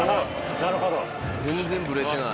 なるほど。